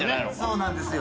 そうなんですよ。